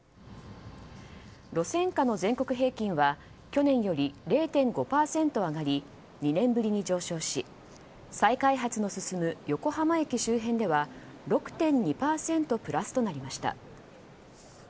路線価の全国平均は去年より０．５％上がり２年ぶりに上昇し再開発の進む横浜駅周辺では６．２％プラスとなりました。